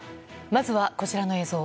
まずは、こちらの映像。